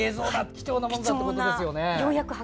貴重なものだということですよね。